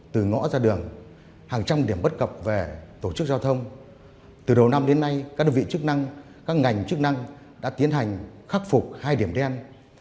từ đầu năm đến nay các đơn vị chức năng các ngành chức năng đã tiến hành khắc phục hai điểm đen